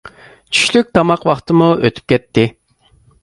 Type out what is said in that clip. چۈشلۈك تاماق ۋاقتىمۇ ئۆتۈپ كەتتى.